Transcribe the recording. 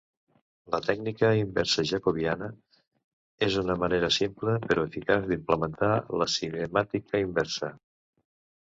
La tècnica inversa Jacobiana és una manera simple però eficaç d'implementar la Cinemàtica inversa.